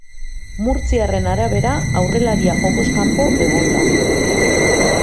Murtziarraren arabera, aurrelaria jokoz kanpo egon da.